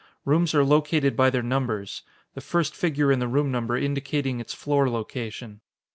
Rooms are located by their numbers: the first figure in the room number indicating its floor location.